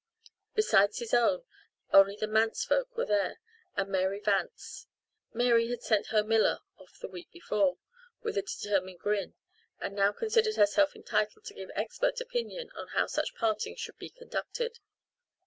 Besides his own, only the Manse folk were there, and Mary Vance. Mary had sent her Miller off the week before, with a determined grin, and now considered herself entitled to give expert opinion on how such partings should be conducted.